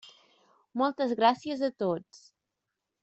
Moltes gràcies a tots.